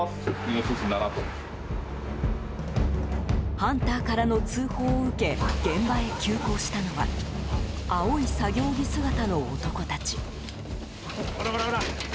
ハンターからの通報を受け現場へ急行したのは青い作業着姿の男たち。